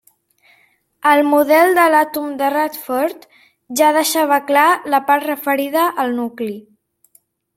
El model de l'àtom de Rutherford ja deixava clar la part referida al nucli.